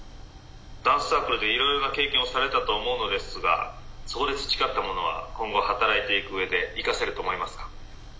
「ダンスサークルでいろいろな経験をされたと思うのですがそこで培ったものは今後働いていく上で生かせると思いますか？」。